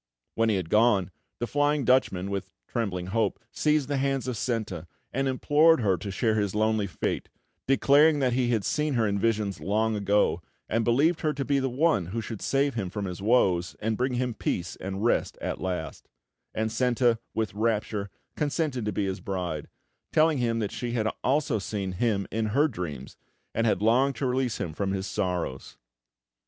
When he had gone, the Flying Dutchman, with trembling hope, seized the hands of Senta and implored her to share his lonely fate, declaring that he had seen her in visions long ago, and believed her to be the one who should save him from his woes, and bring him peace and rest at last; and Senta, with rapture, consented to be his bride, telling him that she had also seen him in her dreams, and had longed to release him from his sorrows.